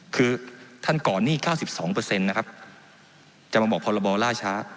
คือท่านก่อนหนี้๙๒นะครับจะมาบอกพรบล่าช้า